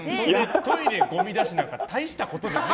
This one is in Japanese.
トイレ、ごみ出しなんか大したことじゃない。